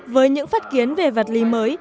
với những phát kiến về vật lý mới